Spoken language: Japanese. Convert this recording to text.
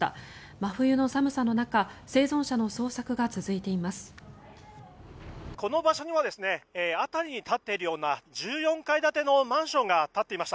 真冬の寒さの中生存者の捜索が続いています。